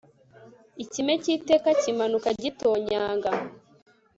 Ikime cyiteka kimanuka gitonyanga